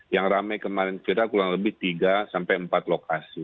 yang ramai kemarin viral kurang lebih tiga sampai empat lokasi